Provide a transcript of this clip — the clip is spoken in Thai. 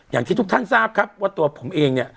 อย่างที่ทุกท่านทราบครับว่าตัวผมเองเนี่ย